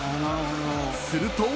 ［すると］